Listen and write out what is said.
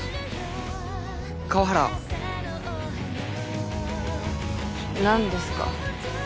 川原何ですか？